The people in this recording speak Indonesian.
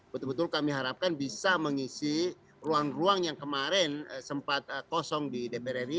betul betul kami harapkan bisa mengisi ruang ruang yang kemarin sempat kosong di dpr ri